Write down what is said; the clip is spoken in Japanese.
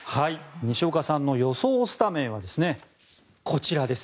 西岡さんの予想スタメンはこちらです。